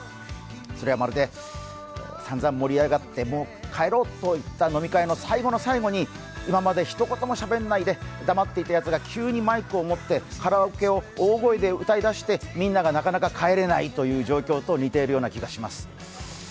それはまるで、さんざんもりあがって帰ろうといった飲み会の最後の最後に今までひと言もしゃべんないで黙っていたヤツが急にマイクを持ってカラオケを大声で歌い出して、みんながなかなか帰れない状況と似ているような気がします。